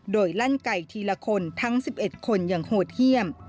โดยลั่นไก่ทีละคนทั้ง๑๑คนอย่างโหดเยี่ยม